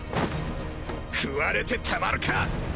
食われてたまるか！！